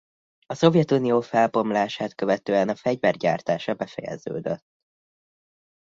A Szovjetunió felbomlását követően a fegyver gyártása befejeződött.